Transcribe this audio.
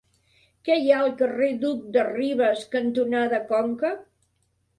Què hi ha al carrer Duc de Rivas cantonada Conca?